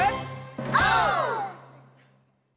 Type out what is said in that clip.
オー！